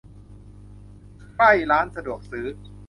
ใกล้ร้านสะดวกซื้อ